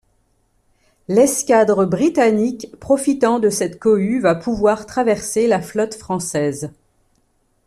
L'escadre britannique profitant de cette cohue va pouvoir traverser la flotte française.